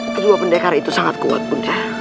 kedua pendekar itu sangat kuat punca